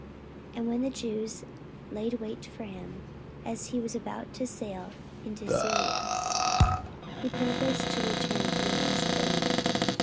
And when the Jews laid wait for him, as he was about to sail into Syria, he purposed to return through Macedonia.